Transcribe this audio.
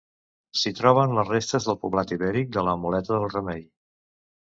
S'hi troben les restes del poblat ibèric de la Moleta del Remei.